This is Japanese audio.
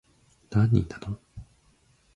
何人なの